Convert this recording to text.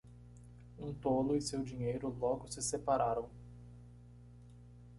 Um tolo e seu dinheiro logo se separaram.